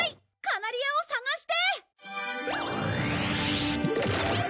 カナリアを捜して！